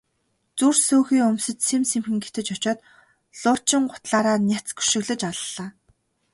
Зүр сөөхий өмсөж сэм сэм гэтэж очоод луучин гутлаараа няц өшиглөж аллаа.